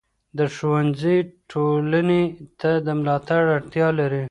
د ښوونځي ټولنې ته د ملاتړ اړتیا لري.